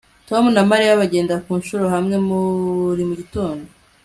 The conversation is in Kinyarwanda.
Tom na Mariya bagenda ku ishuri hamwe buri gitondo